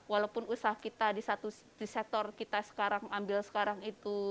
walaupun usaha kita di sektor kita sekarang ambil sekarang itu